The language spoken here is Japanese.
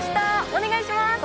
お願いします！